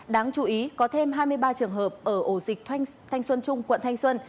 đáng chú ý có thêm hai mươi ba trường hợp ở ổ dịch thanh xuân trung quận thanh xuân